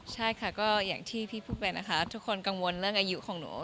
ใช่ค่ะก็อย่างที่พี่พูดไปนะคะทุกคนกังวลเรื่องอายุของหนู